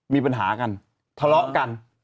มีปัญหากันทะเลาะกัน